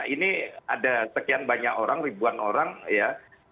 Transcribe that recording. ini ada sekian banyak orang ribuan orang ya